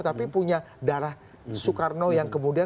tapi punya darah soekarno yang kemudian